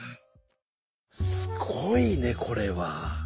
すごいねこれは。